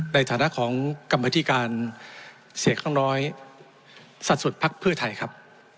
ในฐานะของกรรมธิการเสียงข้างน้อยสัดสุดภักดิ์เพื่อไทยครับ